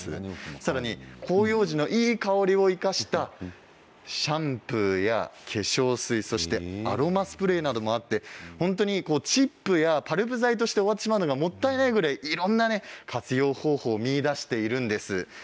さらに広葉樹のいい香りを生かしたシャンプーや化粧水そしてアロマスプレーなどもあって本当にチップやパルプ材として終わってしまうのがもったいないぐらいいろいろな活用方法を見いだしているんです。